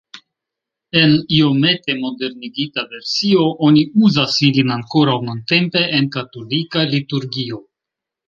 En iomete modernigita versio oni uzas ilin ankoraŭ nuntempe en katolika liturgio.